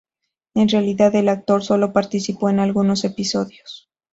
En realidad el actor sólo participó en algunos episodios.